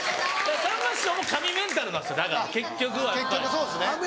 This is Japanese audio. さんま師匠も神メンタルなんですよだから結局はやっぱり。